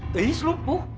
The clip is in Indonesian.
teh iis lumpuh